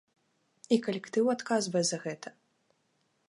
І калектыў адказвае за гэта.